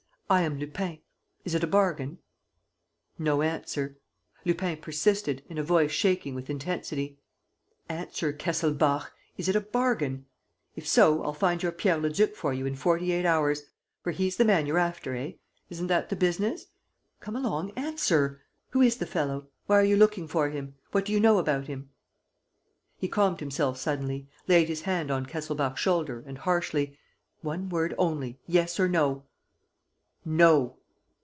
I am Lupin. Is it a bargain?" No answer. Lupin persisted, in a voice shaking with intensity: "Answer, Kesselbach, is it a bargain? If so, I'll find your Pierre Leduc for you in forty eight hours. For he's the man you're after, eh? Isn't that the business? Come along, answer! Who is the fellow? Why are you looking for him? What do you know about him?" He calmed himself suddenly, laid his hand on Kesselbach's shoulder and, harshly: "One word only. Yes or no?" "No!"